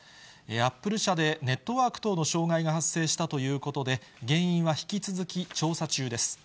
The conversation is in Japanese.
アップル社でネットワーク等の障害が発生したということで、原因は引き続き調査中です。